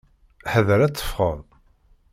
Ḥader ad tefɣeḍ!